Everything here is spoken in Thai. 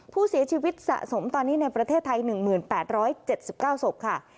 ผู้เสียชีวิตสะสมตอนนี้ในประเทศไทย๑๘๗๙ศพค่ะ